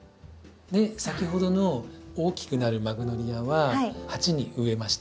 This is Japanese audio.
先ほどの大きくなるマグノリアは鉢に植えました。